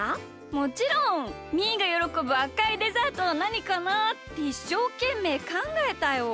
もちろん！みーがよろこぶあかいデザートはなにかなあ？っていっしょうけんめいかんがえたよ。